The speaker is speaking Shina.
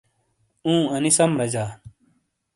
اُوں، انی سَم رَجا۔